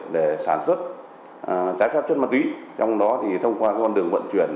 để sản xuất trái phép chất ma túy trong đó thì thông qua con đường vận chuyển